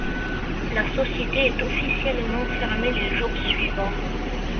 La société est officiellement fermée les jours suivants.